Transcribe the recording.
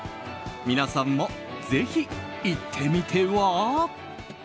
皆さんもぜひ行ってみては？